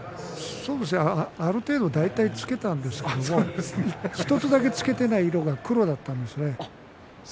ある程度大体、つけたんですけれど１つだけつけていない色は黒だったんですね。